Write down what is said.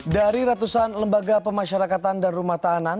dari ratusan lembaga pemasyarakatan dan rumah tahanan